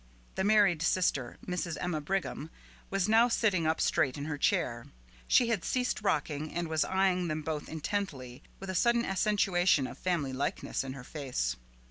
The married sister, Mrs. Emma Brigham, was now sitting up straight in her chair; she had ceased rocking, and was eyeing them both intently with a sudden accentuation of family likeness in her face.